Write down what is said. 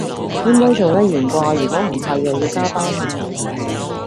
應該做得完掛，如果唔係又要加班啦